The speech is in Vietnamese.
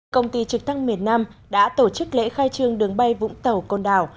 công ty trực thăng miền nam đã tổ chức lễ khai trương đường bay vũng tàu côn đảo